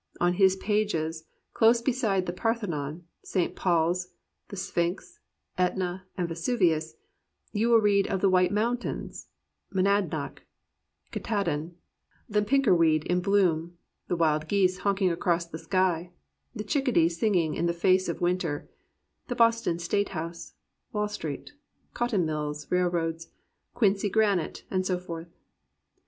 On his pages, close beside the Parthenon, St. Paul's, the Sphinx, ^Etna and Vesu vius, you will read of the White Mountains, Mo nadnock, Katahdin, the pickerel weed in bloom, the wild geese honking across the sky, the chickadee singing in the face of winter, the Boston State house, Wall Street, cotton mills, railroads, Quincy granite, and so forth.